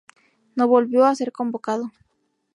No volvió a ser convocado.